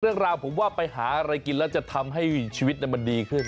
เรื่องราวผมว่าไปหาอะไรกินแล้วจะทำให้ชีวิตมันดีขึ้น